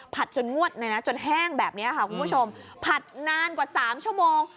จนงวดเลยนะจนแห้งแบบนี้ค่ะคุณผู้ชมผัดนานกว่าสามชั่วโมง